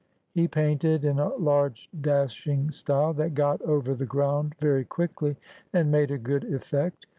He painted in a large dashing style that got over the ground very quickly, and made a good effect.